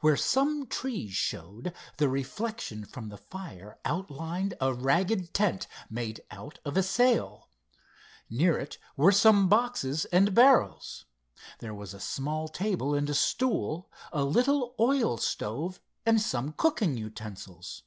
Where some trees showed, the reflection from the fire outlined a ragged tent made out of a sail. Near it were some boxes and barrels. There was a small table and a stool, a little oil stove, and some cooking utensils.